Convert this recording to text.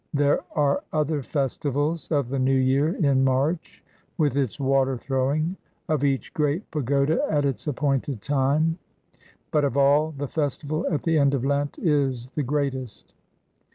There are other festivals: of the New Year, in March, with its water throwing; of each great pagoda at its appointed time; but of all, the festival at the end of Lent is the greatest.